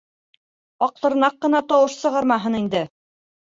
Аҡтырнаҡ ҡына тауыш сығармаһын инде.